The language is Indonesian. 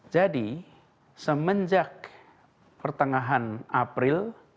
jadi semenjak pertengahan april